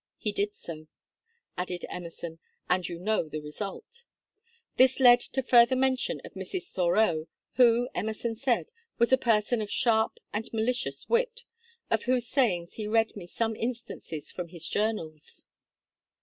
He did so,' added Emerson, 'and you know the result.' ... This led to further mention of Mrs. Thoreau, who, Emerson said, 'was a person of sharp and malicious wit,' of whose sayings he read me some instances from his Journals.